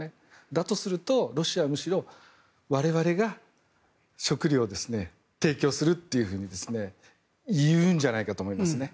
だとするとロシアはむしろ我々が食料を提供するっていうふうに言うんじゃないかと思いますね。